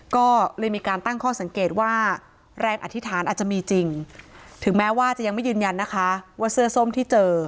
ก็เลยมีการตั้งข้อสังเกตว่าแรงอธิษฐานอาจจะมีจริงถึงแม้ว่าจะยังไม่ยืนยันนะคะว่าเสื้อส้มที่เจอ